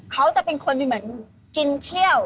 เขาจะเป็นคนเหมือนกินเที่ยว